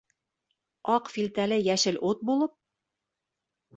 Аҡ филтәле йәшел ут булып?